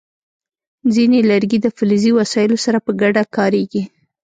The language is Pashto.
ځینې لرګي د فلزي وسایلو سره په ګډه کارېږي.